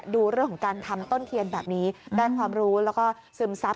ดูเรื่องของการทำต้นเทียนแบบนี้ได้ความรู้แล้วก็ซึมซับ